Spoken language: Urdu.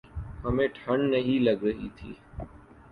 ہمیں ٹھنڈ نہیں لگ رہی تھی۔